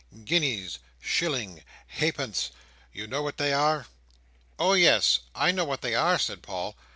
Guineas, shillings, half pence. You know what they are?" "Oh yes, I know what they are," said Paul.